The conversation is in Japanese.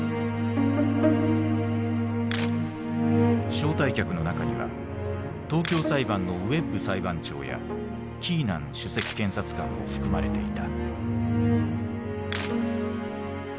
招待客の中には東京裁判のウェッブ裁判長やキーナン首席検察官も含まれていた。